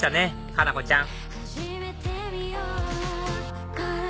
佳菜子ちゃん